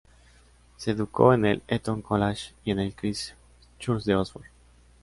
Se educó en el Eton College y en el Christ Church de Oxford.